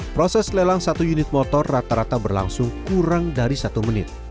proses lelang satu unit motor rata rata berlangsung kurang dari satu menit